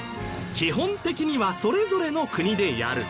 基本的にはそれぞれの国でやる。